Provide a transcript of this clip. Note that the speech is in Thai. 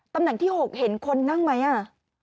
ตำแหน่งที่๖เห็นคนนั่งไหมอ่ะ